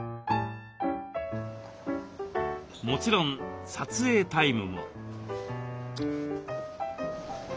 もちろん撮影タイムも。